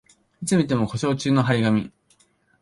いつ見ても故障中の張り紙